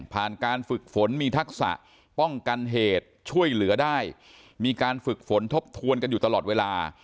การฝึกฝนมีทักษะป้องกันเหตุช่วยเหลือได้มีการฝึกฝนทบทวนกันอยู่ตลอดเวลา